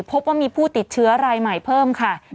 พบว่ามีผู้ติดเชื้อรายใหม่เพิ่มค่ะ